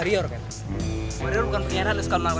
rio harus tinggal lah